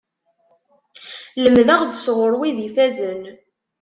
Lemdeɣ-d sɣur wid ifazen.